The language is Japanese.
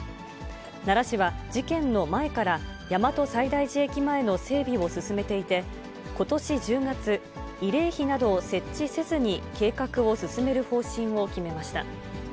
奈良市は事件の前から、大和西大寺駅前の整備を進めていて、ことし１０月、慰霊碑などを設置せずに計画を進める方針を決めました。